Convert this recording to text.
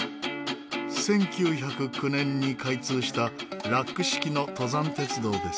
１９０９年に開通したラック式の登山鉄道です。